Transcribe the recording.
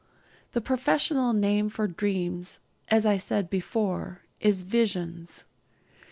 The professional name for dreams, as I said before, is 'visions.'